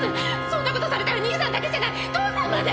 そんな事されたら兄さんだけじゃない父さんまで。